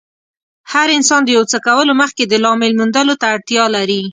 هر انسان د يو څه کولو مخکې د لامل موندلو ته اړتیا لري.